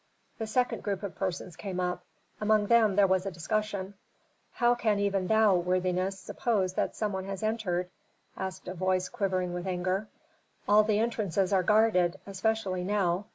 The second group of persons came up; among them there was a discussion, "How can even thou, worthiness, suppose that some one has entered?" asked a voice quivering with anger. "All the entrances are guarded, especially now.